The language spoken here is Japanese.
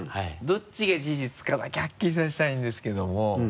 どっちが事実かだけはっきりさせたいんですけども。